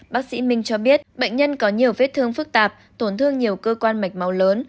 bác sĩ minh cho biết bệnh nhân có nhiều vết thương phức tạp tổn thương nhiều cơ quan mạch máu lớn